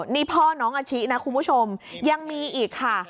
นี่พ่อน้องอาชินะคุณผู้ชมยังมีอีกค่ะ